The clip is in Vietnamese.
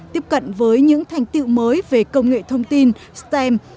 tiếp cận với những thành tiệu mới về công nghệ thông tin stem